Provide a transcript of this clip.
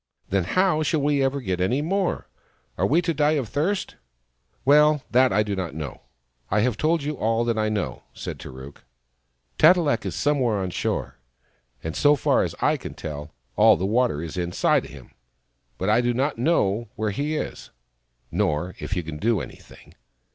" Then how shall we ever get any more ? Are we to die of thirst ?"" Well, that I do not know. I have told you all that I know," said Tarook. " Tat e lak is some where on shore, and so far as I can tell, all the 120 THE FROG THAT LAUGHED water is inside him. But I do not know where he is, nor if you can do anything.